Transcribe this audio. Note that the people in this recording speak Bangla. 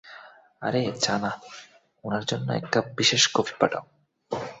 আরে চা না, উনার জন্য এক কাপ বিশেষ কফি পাঠাও।